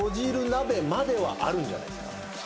鍋まではあるんじゃないすか？